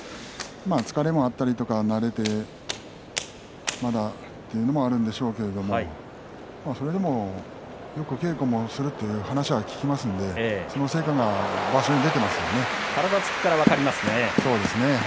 疲れもあったりとか慣れてなかったというのもあるんでしょうけれどもそれでも稽古もするという話を聞きますので、その成果が体つきから分かりますね。